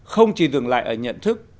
không chỉ dừng lại ở nhận thức